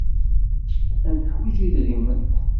Ad neḥwij idrimen.